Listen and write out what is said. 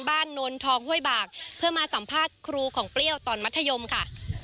นวลทองห้วยบากเพื่อมาสัมภาษณ์ครูของเปรี้ยวตอนมัธยมค่ะ